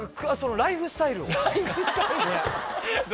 ライフスタイル？